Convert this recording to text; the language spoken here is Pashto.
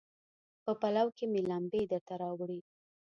په پلو کې مې لمبې درته راوړي